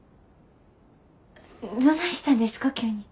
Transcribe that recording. どないしたんですか急に。